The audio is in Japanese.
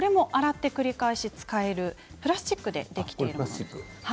洗って繰り返し使えるプラスチックでできています。